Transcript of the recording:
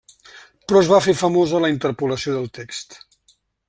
Però es va fer famosa la interpolació del text.